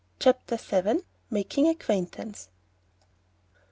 CHAPTER VII. MAKING ACQUAINTANCE.